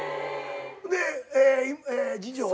で次女は？